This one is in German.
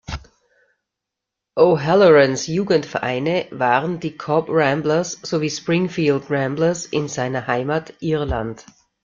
O’Hallorans Jugendvereine waren die Cobh Ramblers sowie Springfield Ramblers in seiner Heimat Irland.